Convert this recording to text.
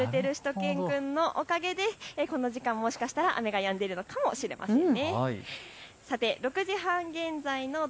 てるてるしゅと犬くんのおかげでこの時間、もしかしたら雨がやんでいるのかもしれません。